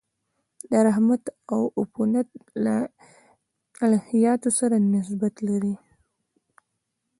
د رحمت او عطوفت له الهیاتو سره نسبت لري.